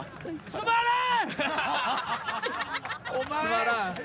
つまらん！！